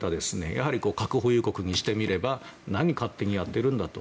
やはり核保有国にしてみれば何を勝手にやっているんだと。